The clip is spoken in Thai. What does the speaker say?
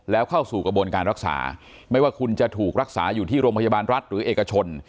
แล้วเข้าสู่กระบวนการรักษาไม่ว่าคุณจะถูกรักษาอยู่ที่โรงพยาบาลรัฐหรือเอกชน